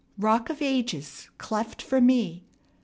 "'Rock of Ages, cleft for me.